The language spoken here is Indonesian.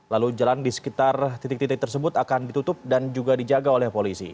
lalu jalan di sekitar titik titik tersebut akan ditutup dan juga dijaga oleh polisi